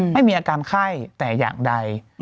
ไม่มีอาการไข้แต่อย่างใด